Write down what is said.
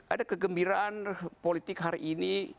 ada kegembiraan politik hari ini